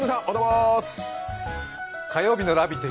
火曜日の「ラヴィット！」